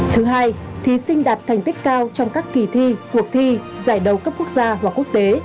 thứ hai thí sinh đạt thành tích cao trong các kỳ thi cuộc thi giải đầu cấp quốc gia và quốc tế